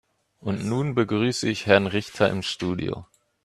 Und nun begrüße ich Herrn Richter im Studio.